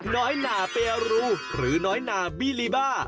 น้อยหน่าเปรูหรือน้อยหน่าบิบา